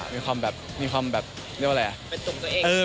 มีความแบบมีความแบบเรียกว่าอะไรอ่ะ